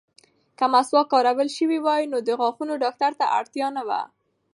که مسواک کارول شوی وای، نو د غاښونو ډاکټر ته اړتیا نه وه.